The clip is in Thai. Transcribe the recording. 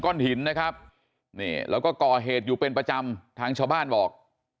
หินนะครับนี่แล้วก็ก่อเหตุอยู่เป็นประจำทางชาวบ้านบอก